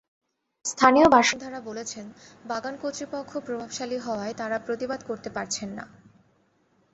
স্থানীয় বাসিন্দারা বলেছেন, বাগান কর্তৃপক্ষ প্রভাবশালী হওয়ায় তাঁরা প্রতিবাদ করতে পারছেন না।